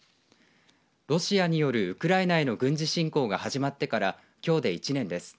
ロシアによるウクライナへの軍事侵攻が始まってからきょうで１年です。